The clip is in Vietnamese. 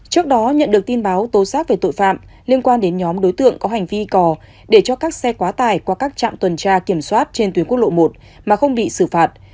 trước đó nhận được tin báo tố xác về tội phạm liên quan đến nhóm đối tượng có hành vi cò để cho các xe quá tài qua các trạm tuần tra kiểm soát trên tuyến quốc lộ một mà không bị xử phạt